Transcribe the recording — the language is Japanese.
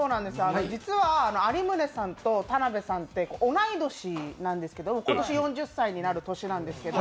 実は有宗さんと田辺さんって同い年なんですけど、今年４０歳になる年なんですけど？